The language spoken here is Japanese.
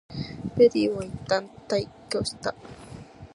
ペリーはいったん退去した。